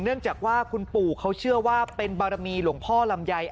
เนื่องจากว่าคุณปู่เขาเชื่อว่าเป็นบารมีหลวงพ่อลำไย